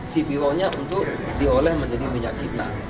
cpo nya untuk diolah menjadi minyak kita